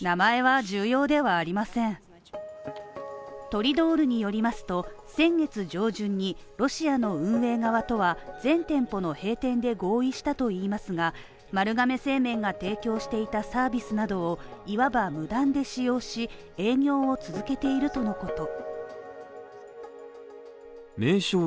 トリドールによりますと、先月上旬にロシアの運営側とは全店舗の閉店で合意したといいますが丸亀製麺が提供していたサービスなどを、いわば無断で使用し、営業を続けているとのこと。